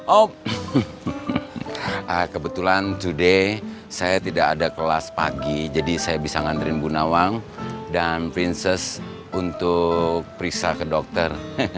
oh kebetulan to day saya tidak ada kelas pagi jadi saya bisa ngantri bu nawang dan princes untuk periksa ke dokter